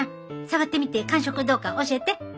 触ってみて感触はどうか教えて。